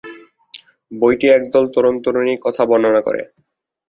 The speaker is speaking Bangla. বইটি একদল তরুণ-তরুণী কথা বর্ণনা করে।